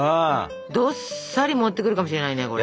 どっさり持ってくるかもしれないねこれ。